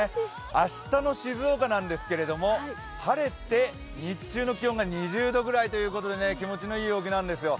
明日の静岡なんですけれども、晴れて日中の気温が２０度くらいということで、気持ちのいい陽気なんですよ。